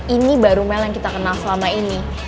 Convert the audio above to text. ini baru mel yang kita kenal selama ini